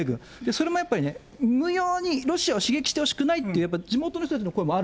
それもやっぱりね、無用にロシアを刺激してほしくないっていう地元の人たちの声もあ